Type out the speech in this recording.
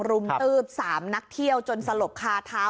รุมตืบ๓นักเที่ยวจนสลบคาเท้า